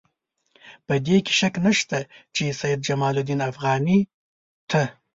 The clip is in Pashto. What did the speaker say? په دې کې شک نشته چې سید جمال الدین افغاني ته.